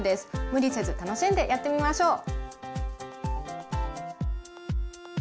無理せず楽しんでやってみましょう。